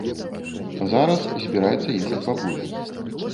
Зараз збіраецца ехаць бабуля.